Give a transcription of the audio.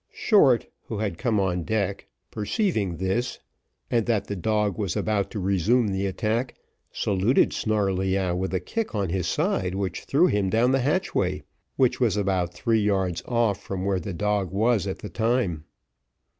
Short, who had come on deck, perceiving this, and that the dog was about to resume the attack, saluted Snarleyyow with a kick on his side, which threw him down the hatchway, which was about three yards off from where the dog was at the time.